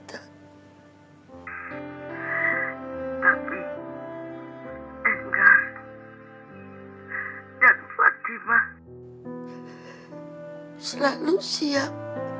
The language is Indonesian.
tapi enggar dan fatimah selalu siap